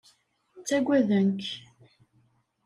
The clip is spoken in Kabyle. Ttagaden-k.